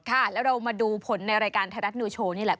ค่ะแล้วเรามาดูผลในรายการไทยรัฐนิวโชว์นี่แหละ